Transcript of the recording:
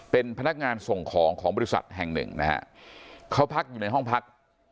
เป็นพนักงานส่งของของบริษัทแห่งหนึ่งนะฮะเขาพักอยู่ในห้องพัก